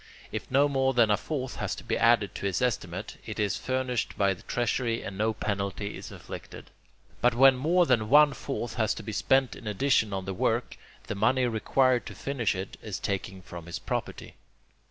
If no more than a fourth has to be added to his estimate, it is furnished by the treasury and no penalty is inflicted. But when more than one fourth has to be spent in addition on the work, the money required to finish it is taken from his property.